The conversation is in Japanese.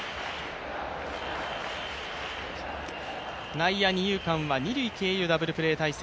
内野二遊間は二塁経由ダブルプレー体制。